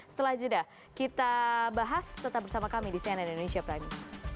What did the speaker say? setelah itu dah kita bahas tetap bersama kami di cnn indonesia prani